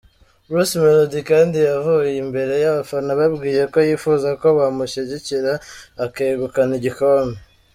Bruce Melody kandi yavuye imbere y’abafana ababwiye ko yifuza ko bamushyigikira akegukana igikombe.